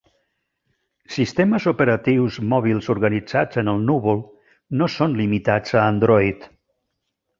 Sistemes operatius mòbils organitzats en el núvol no són limitats a Android.